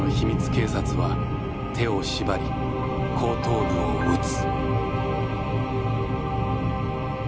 警察は手を縛り後頭部を撃つ。